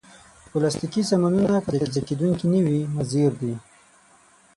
پلاستيکي سامانونه که تجزیه کېدونکي نه وي، مضر دي.